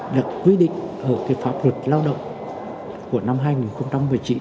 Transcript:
được quy định ở cái pháp luật lao động của năm hai nghìn một mươi chín